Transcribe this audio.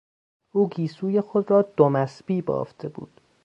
او گیسوی خود را دم اسبی بافته بود.